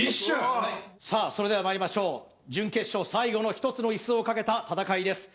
さあそれではまいりましょう準決勝最後の１つのイスを賭けた戦いです